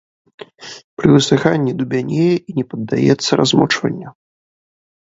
Пры высыханні дубянее і не паддаецца размочванню.